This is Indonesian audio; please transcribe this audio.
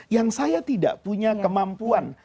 yang saya tidak punya kemampuan